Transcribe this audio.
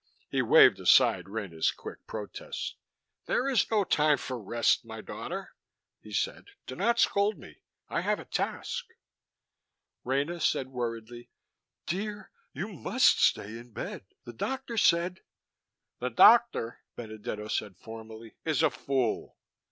He waved aside Rena's quick protest. "There is no time for rest, my daughter," he said. "Do not scold me. I have a task." Rena said worriedly, "Dear, you must stay in bed. The doctor said " "The doctor," Benedetto said formally, "is a fool.